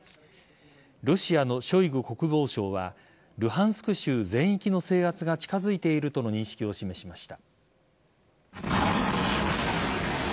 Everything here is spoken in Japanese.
ロシアのショイグ国防相はルハンスク州全域の制圧が近づいているとの認識を示しました。